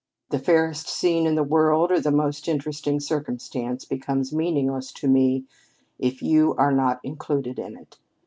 The fairest scene in the world or the most interesting circumstance becomes meaningless to me if you are not included in it.